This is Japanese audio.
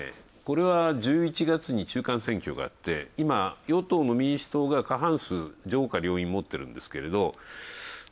これは１１月に中間選挙があって今、与党の民主党が過半数、上下両院もっているんですけど。